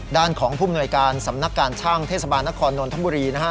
ด้านของผู้มนวยการสำนักการช่างเทศบาลนครนนทบุรีนะฮะ